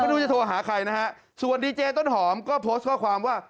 ไม่รู้จะโทรหาใครนะฮะส่วนดีเจต้นหอมก็โพสต์ข้อความว่า